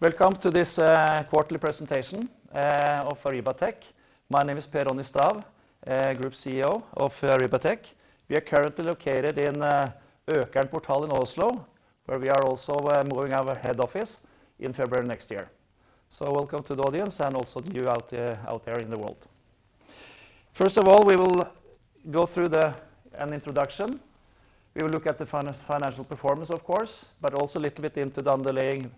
Welcome to this quarterly presentation of Arribatec. My name is Per Ronny Stav, Group CEO of Arribatec. We are currently located in Økern Portal in Oslo, where we are also moving our head office in February next year. Welcome to the audience and also to you out there in the world. First of all, we will go through an introduction. We will look at the financial performance, of course, but also a little bit into the underlying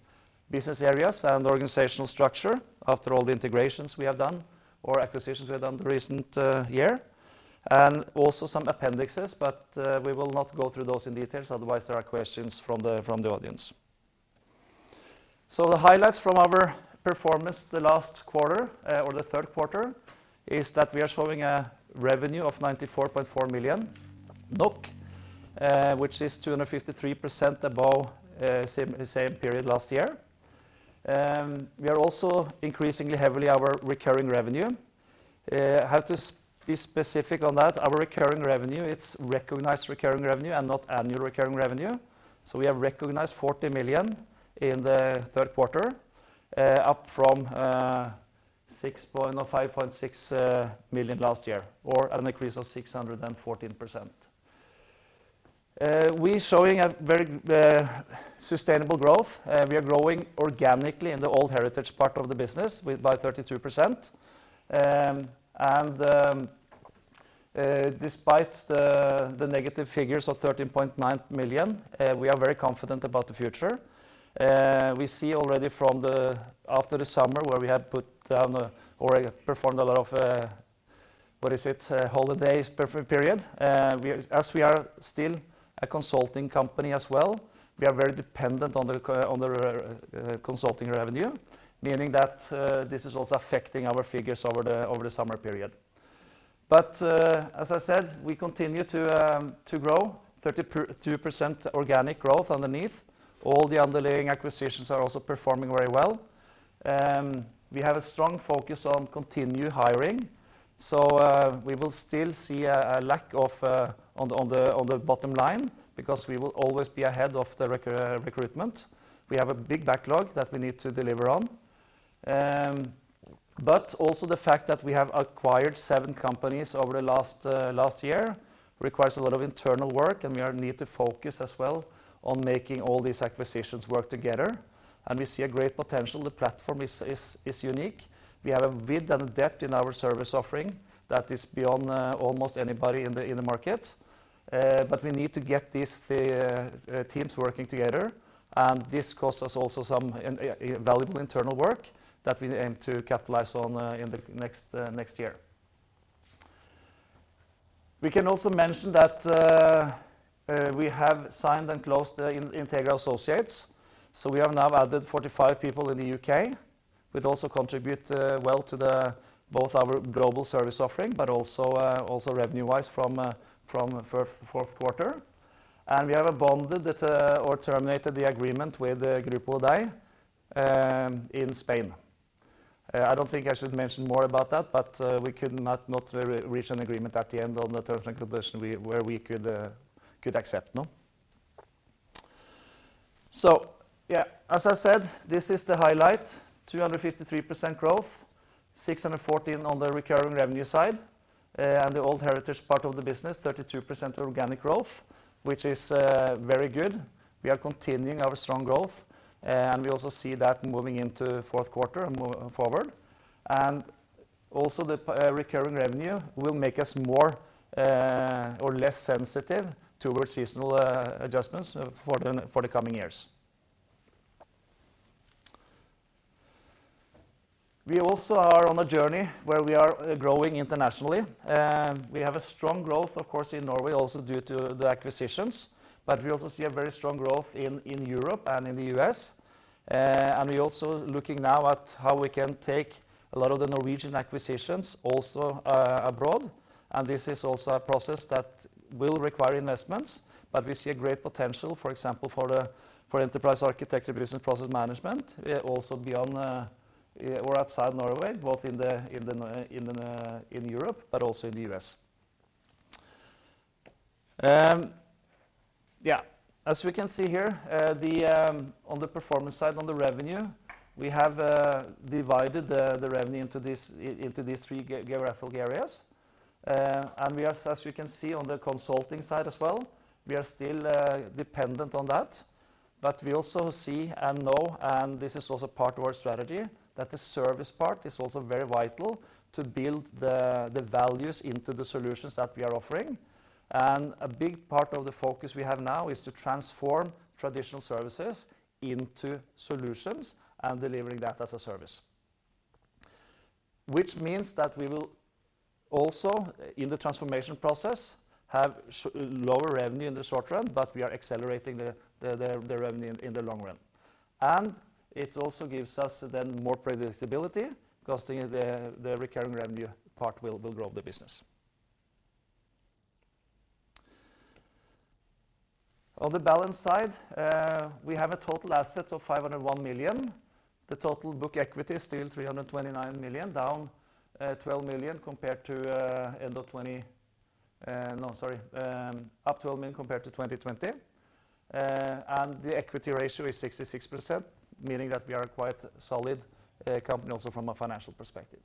business areas and organizational structure, after all the integrations we have done or acquisitions we have done in the recent year. Also some appendices, but we will not go through those in detail. Otherwise, there are questions from the audience. The highlights from our performance the last quarter or the third quarter is that we are showing a revenue of 94.4 million, which is 253% above same period last year. We are also increasing heavily our recurring revenue. I have to be specific on that. Our recurring revenue, it's recognized recurring revenue and not annual recurring revenue. We have recognized 40 million in the third quarter, up from 5.6 million last year, or an increase of 614%. We're showing a very sustainable growth. We are growing organically in the old heritage part of the business by 32%. Despite the negative figures of 13.9 million, we are very confident about the future. We see already after the summer where we had put down or performed a lot of what is it holidays per period. As we are still a consulting company as well, we are very dependent on the consulting revenue, meaning that this is also affecting our figures over the summer period. As I said, we continue to grow, 32% organic growth underneath. All the underlying acquisitions are also performing very well. We have a strong focus on continued hiring, so we will still see a lack of on the bottom line because we will always be ahead of the recruitment. We have a big backlog that we need to deliver on. Also the fact that we have acquired seven companies over the last year requires a lot of internal work, and we need to focus as well on making all these acquisitions work together. We see a great potential. The platform is unique. We have a width and a depth in our service offering that is beyond almost anybody in the market. We need to get these teams working together, and this costs us also some invaluable internal work that we aim to capitalize on in the next year. We can also mention that we have signed and closed the Integra Associates. We have now added 45 people in the U.K., which also contribute to both our global service offering, but also revenue-wise from fourth quarter. We have abandoned it or terminated the agreement with Grupo Hodei in Spain. I don't think I should mention more about that, but we could not reach an agreement at the end on the terms and conditions we could accept, no? Yeah, as I said, this is the highlight, 253% growth, 614% on the recurring revenue side, and the old heritage part of the business, 32% organic growth, which is very good. We are continuing our strong growth, and we also see that moving into fourth quarter and moving forward. Also the recurring revenue will make us more or less sensitive towards seasonal adjustments for the coming years. We also are on a journey where we are growing internationally. We have a strong growth, of course, in Norway also due to the acquisitions, but we also see a very strong growth in Europe and in the U.S. We're also looking now at how we can take a lot of the Norwegian acquisitions also abroad. This is also a process that will require investments, but we see a great potential, for example, for Enterprise Architecture, Business Process Management also beyond or outside Norway, both in Europe, but also in the U.S. As we can see here, on the performance side, on the revenue, we have divided the revenue into these three geographical areas. We are, as you can see on the consulting side as well, still dependent on that. We also see and know, and this is also part of our strategy, that the service part is also very vital to build the values into the solutions that we are offering. A big part of the focus we have now is to transform traditional services into solutions and delivering that as a service. Which means that we will also, in the transformation process, have lower revenue in the short run, but we are accelerating the revenue in the long run. It also gives us then more predictability because the recurring revenue part will grow the business. On the balance sheet side, we have total assets of 501 million. The total book equity is still 329 million, up 12 million compared to 2020. The equity ratio is 66%, meaning that we are quite solid company also from a financial perspective.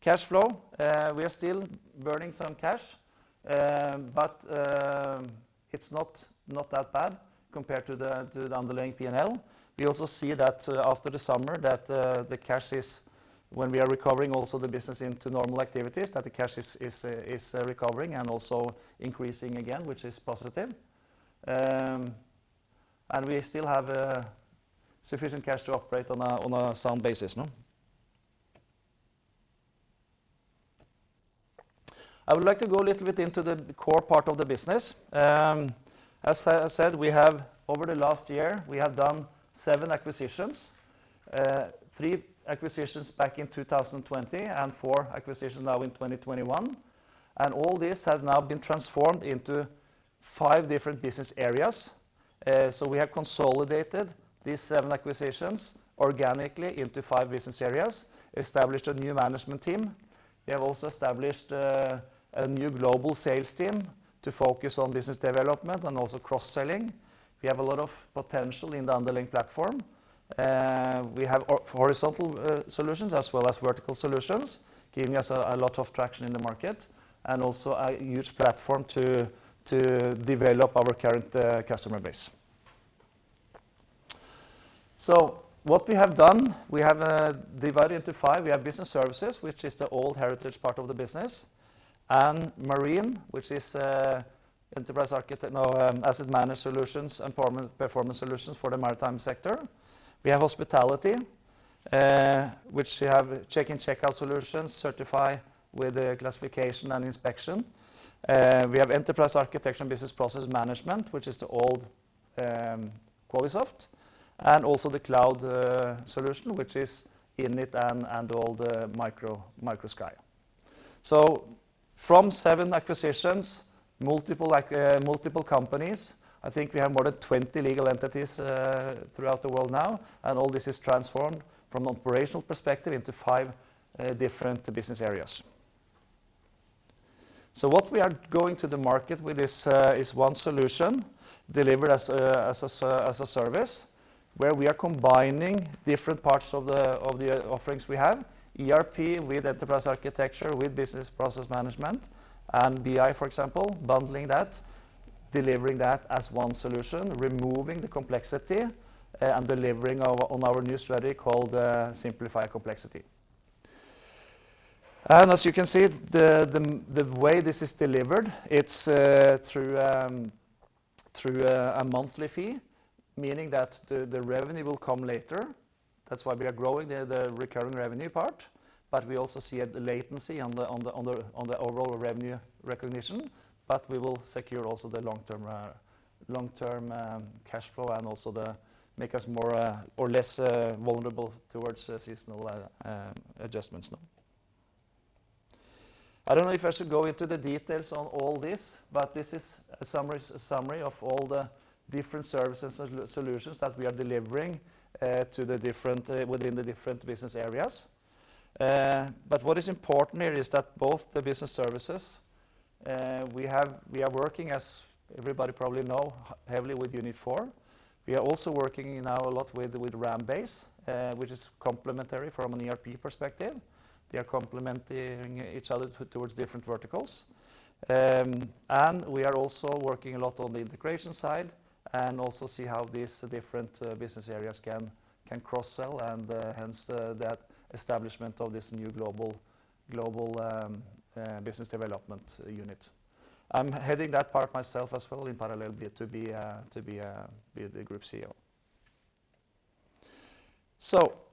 Cash flow, we are still burning some cash, but it's not that bad compared to the underlying P&L. We also see that after the summer, that the cash is when we are recovering also the business into normal activities, that the cash is recovering and also increasing again, which is positive. We still have sufficient cash to operate on a sound basis, no? I would like to go a little bit into the core part of the business. As I said, we have over the last year done 7 acquisitions, 3 acquisitions back in 2020, and 4 acquisitions now in 2021, and all these have now been transformed into 5 different business areas. We have consolidated these 7 acquisitions organically into 5 business areas and established a new management team. We have also established a new global sales team to focus on business development and also cross-selling. We have a lot of potential in the underlying platform. We have our horizontal solutions as well as vertical solutions, giving us a lot of traction in the market and also a huge platform to develop our current customer base. What we have done, we have divided into five. We have business services, which is the old heritage part of the business, and Marine, which is asset manager solutions and performance solutions for the maritime sector. We have Hospitality, which you have check-in, checkout solutions, Certify with the classification and inspection. We have enterprise architecture and business process management, which is the old Qualisoft, and also the cloud solution, which is Innit and all the Microsky. From seven acquisitions, multiple companies, I think we have more than 20 legal entities throughout the world now, and all this is transformed from operational perspective into five different business areas. What we are going to the market with this is one solution delivered as a service, where we are combining different parts of the offerings we have, ERP with Enterprise Architecture, with Business Process Management and BI, for example, bundling that, delivering that as one solution, removing the complexity and delivering on our new strategy called Simplify Complexity. As you can see, the way this is delivered, it's through a monthly fee, meaning that the revenue will come later. That's why we are growing the recurring revenue part. We also see a latency on the overall revenue recognition. We will secure also the long-term cash flow and also make us more or less vulnerable towards seasonal adjustments, no? I don't know if I should go into the details on all this is a summary of all the different services and solutions that we are delivering to the different within the different business areas. What is important here is that both the business services, we have, we are working, as everybody probably know, heavily with Unit4. We are also working now a lot with RamBase, which is complementary from an ERP perspective. They are complementing each other towards different verticals. We are also working a lot on the integration side and also see how these different business areas can cross-sell and hence that establishment of this new global business development unit. I'm heading that part myself as well in parallel to be the Group CEO.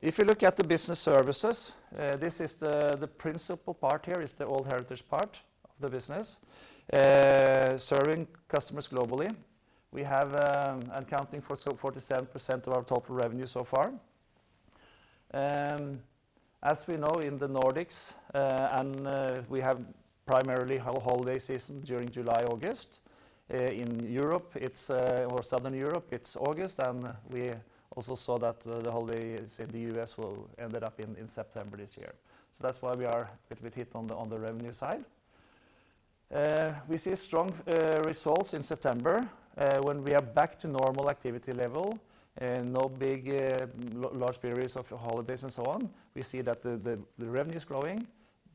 If you look at the business services, this is the principal part, the old heritage part of the business serving customers globally. We have accounting for 47% of our total revenue so far. As we know in the Nordics, we have primarily our holiday season during July, August. In Europe, or Southern Europe, it's August, and we also saw that the holiday season in the U.S. will end up in September this year. That's why we are a bit hit on the revenue side. We see strong results in September when we are back to normal activity level and no big large periods of holidays and so on. We see that the revenue is growing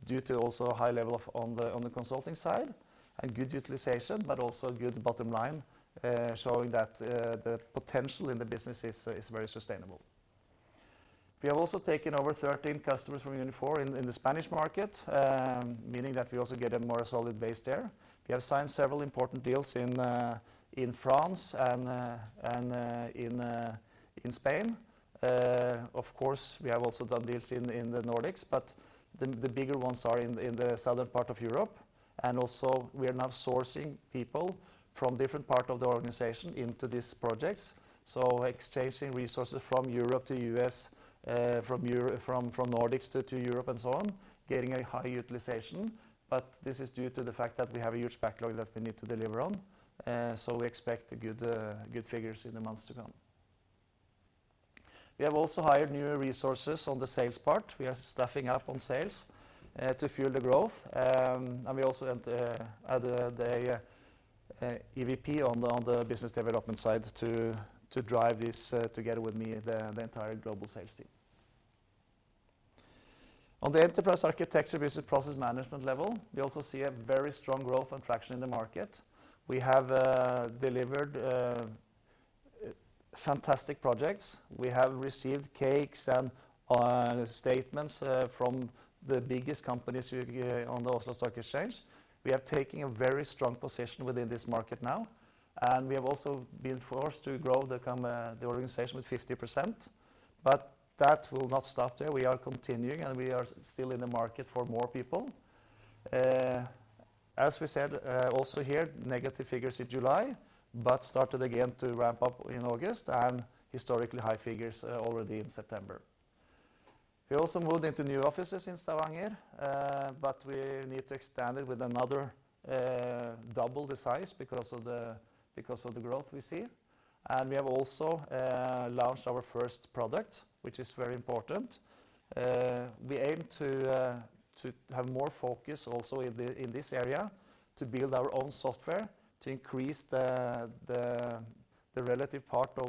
due to also high level of on the consulting side and good utilization, but also good bottom line showing that the potential in the business is very sustainable. We have also taken over 13 customers from Unit4 in the Spanish market, meaning that we also get a more solid base there. We have signed several important deals in France and in Spain. Of course, we have also done deals in the Nordics, but the bigger ones are in the southern part of Europe. We are now sourcing people from different part of the organization into these projects, exchanging resources from Europe to U.S., from Nordics to Europe and so on, getting a high utilization. This is due to the fact that we have a huge backlog that we need to deliver on. We expect good figures in the months to come. We have also hired new resources on the sales part. We are staffing up on sales to fuel the growth. We also added a EVP on the business development side to drive this together with me, the entire global sales team. On the Enterprise Architecture Business Process Management level, we also see a very strong growth and traction in the market. We have delivered fantastic projects. We have received cakes and statements from the biggest companies on the Oslo Stock Exchange. We are taking a very strong position within this market now, and we have also been forced to grow the organization with 50%. That will not stop there. We are continuing, and we are still in the market for more people. As we said also here, negative figures in July, but started again to ramp up in August and historically high figures already in September. We also moved into new offices in Stavanger, but we need to extend it with another double the size because of the growth we see. We have also launched our first product, which is very important. We aim to have more focus also in this area to build our own software to increase the relative part of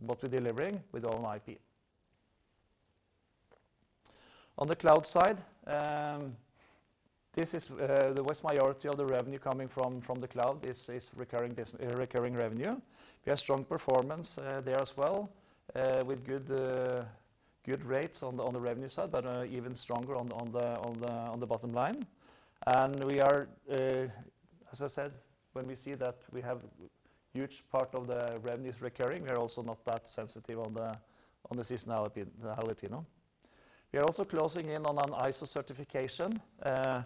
what we're delivering with our own IP. On the cloud side, this is the vast majority of the revenue coming from the cloud is recurring revenue. We have strong performance there as well with good rates on the revenue side, but even stronger on the bottom line. We are, as I said, when we see that we have huge part of the revenues recurring, we are also not that sensitive on the seasonality, you know. We are also closing in on an ISO certification, to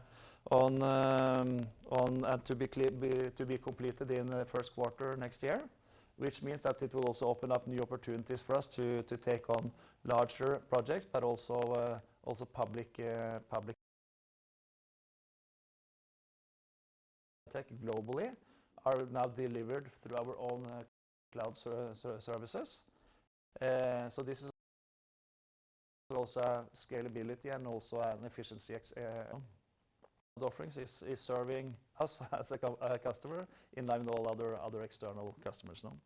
be completed in the first quarter next year, which means that it will also open up new opportunities for us to take on larger projects but also public globally are now delivered through our own cloud services. So this is also have scalability and also an efficiency aspect, you know. The offerings is serving us as a customer in line with all other external customers now.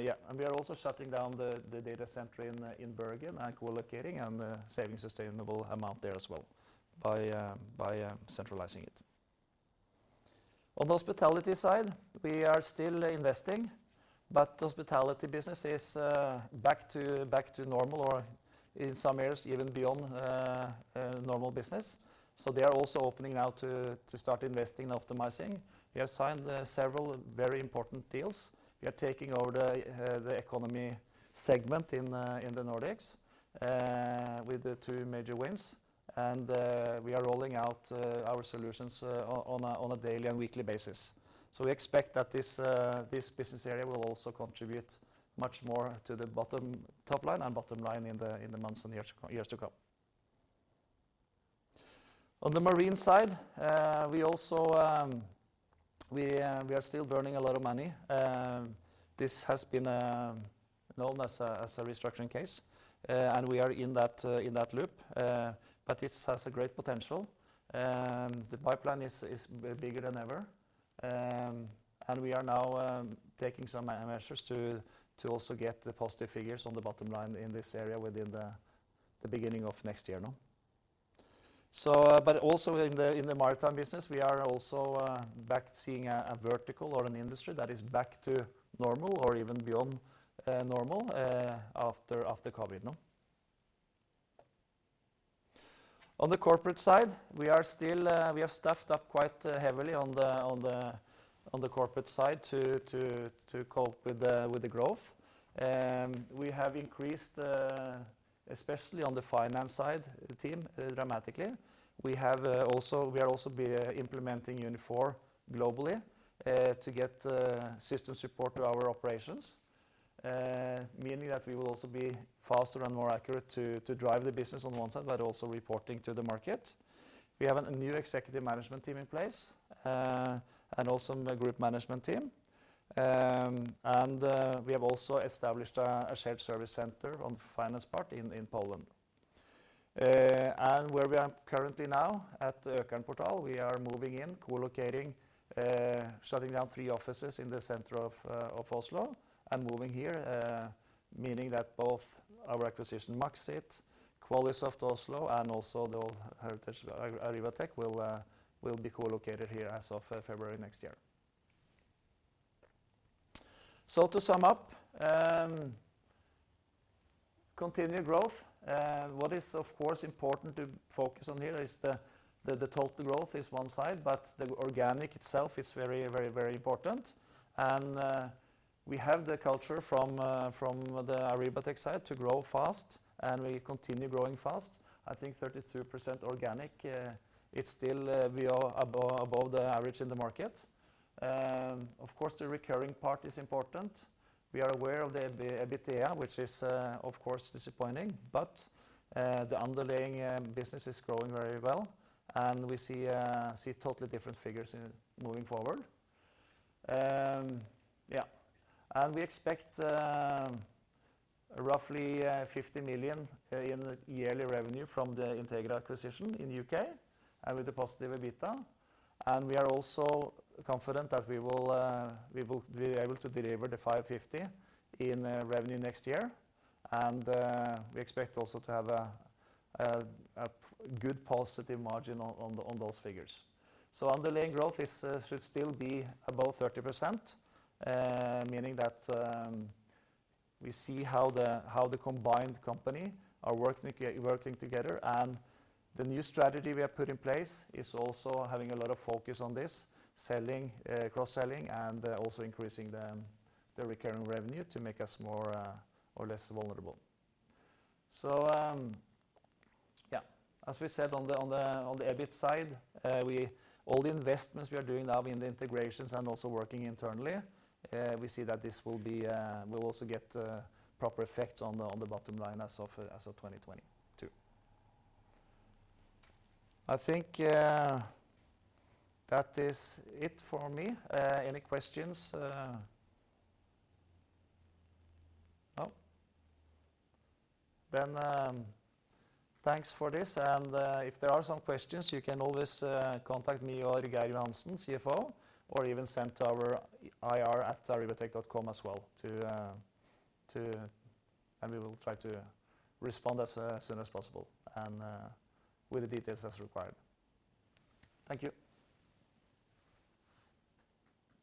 Yeah, we are also shutting down the data center in Bergen and co-locating and saving substantial amount there as well by centralizing it. On the hospitality side, we are still investing, but the hospitality business is back to normal or in some areas even beyond normal business. They are also opening now to start investing and optimizing. We have signed several very important deals. We are taking over the economy segment in the Nordics with the two major wins. We are rolling out our solutions on a daily and weekly basis. We expect that this business area will also contribute much more to the top line and bottom line in the months and years to come. On the marine side, we are still burning a lot of money. This has been known as a restructuring case. We are in that loop. This has a great potential. The pipeline is bigger than ever. We are now taking some measures to also get the positive figures on the bottom line in this area within the beginning of next year now. also in the maritime business, we are also back seeing a vertical or an industry that is back to normal or even beyond normal after COVID now. On the corporate side, we have staffed up quite heavily on the corporate side to cope with the growth. We have increased especially on the finance side team dramatically. We are also implementing Unit4 globally to get system support to our operations, meaning that we will also be faster and more accurate to drive the business on one side but also reporting to the market. We have a new Executive Management Team in place, and also the Group Management Team. We have also established a shared service center on the finance part in Poland. Where we are currently now at the Økern Portal, we are moving in, co-locating, shutting down three offices in the center of Oslo and moving here, meaning that both our acquisition, Maksit, Qualisoft Oslo, and also the heritage Arribatec will be co-located here as of February next year. To sum up, continued growth. What is of course important to focus on here is the total growth is one side, but the organic itself is very important. We have the culture from the Arribatec side to grow fast, and we continue growing fast. I think 32% organic, it's still we are above the average in the market. Of course, the recurring part is important. We are aware of the EBITDA, which is, of course disappointing, but the underlying business is growing very well, and we see totally different figures going forward. We expect roughly 50 million in yearly revenue from the Integra acquisition in the U.K. and with the positive EBITDA. We are also confident that we will be able to deliver 550 million in revenue next year. We expect also to have a good positive margin on those figures. Underlying growth should still be above 30%, meaning that we see how the combined company are working together. The new strategy we have put in place is also having a lot of focus on this, selling, cross-selling and also increasing the recurring revenue to make us more or less vulnerable. As we said on the EBIT side, all the investments we are doing now in the integrations and also working internally, we see that this will also get proper effects on the bottom line as of 2022. I think that is it for me. Any questions? No? Thanks for this. If there are some questions, you can always contact me or Geir Johansen, CFO, or even send to our ir@arribatec.com as well to. We will try to respond as soon as possible and with the details as required. Thank you.